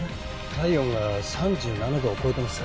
体温が３７度を超えてます。